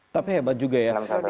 tapi hebat juga ya